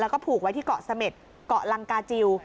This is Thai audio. แล้วก็ผูกไว้ที่เกาะเสม็ดเกาะลังกาจิล